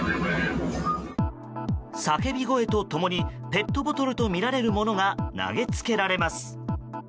叫び声と共にペットボトルとみられるものが投げつけられます。